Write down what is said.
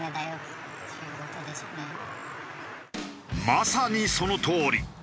まさにそのとおり。